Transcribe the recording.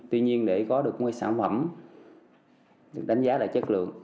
tuy nhiên để có được một cái sản phẩm được đánh giá là chất lượng